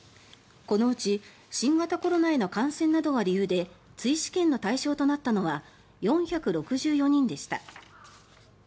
このうち新型コロナへの感染などが理由で追試験の対象となったのは４６４人でした。